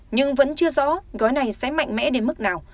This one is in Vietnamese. nhưng vẫn chưa rõ gói này sẽ mạnh mẽ đến mức nào